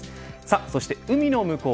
そして海の向こう